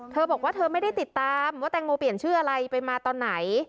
เธอบอกว่าเธอไม่ได้ติดตามว่าแตงโมเปลี่ยนชื่ออะไรไปมาตอนไหน